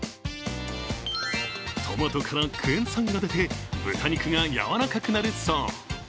トマトからクエン酸が出て豚肉が柔らかくなるそう。